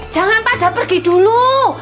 jangan pada pergi dulu